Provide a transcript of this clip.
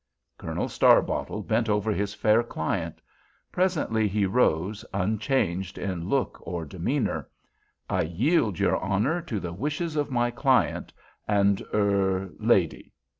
Colonel Starbottle bent over his fair client. Presently he rose, unchanged in look or demeanor. "I yield, your Honor, to the wishes of my client, and—er—lady.